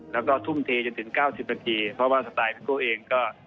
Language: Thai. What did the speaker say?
แล้วก็ทุ่มเทจนถึง๙๐นาทีเพราะว่าสไตล์พี่โก้เองก็